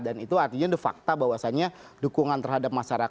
dan itu artinya de facto bahwasannya dukungan terhadap masyarakat